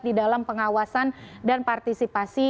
di dalam pengawasan dan partisipasi